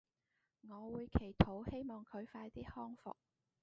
我會祈禱希望佢快啲康復